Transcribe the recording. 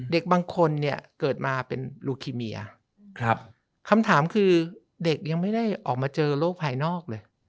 เด็กบางคนเนี่ยเกิดมาเป็นลูคิเมียคำถามคือเด็กยังไม่ได้ออกมาเจอโรคภายนอกเลย